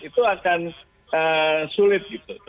itu akan sulit